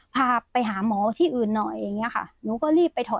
นี่ค่ะ